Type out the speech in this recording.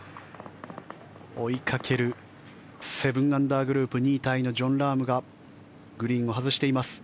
追いかける７アンダーグループ２位タイのジョン・ラームがグリーンを外しています。